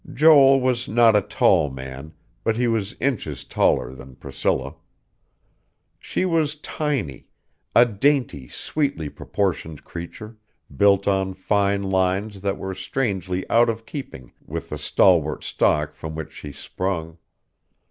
Joel was not a tall man, but he was inches taller than Priscilla. She was tiny; a dainty, sweetly proportioned creature, built on fine lines that were strangely out of keeping with the stalwart stock from which she sprung.